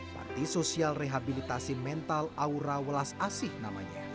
parti sosial rehabilitasi mental aura walas asih namanya